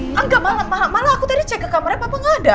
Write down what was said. ah enggak malah aku tadi cek ke kamarnya papa gak ada